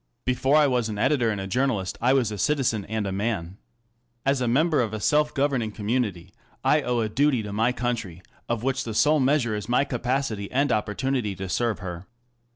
Before I was an editor and a journalist I was a citizen and a man. As a member of a self governing community I owe a duty to my country, of which the sole measure is my capacity and opportunity to serve her.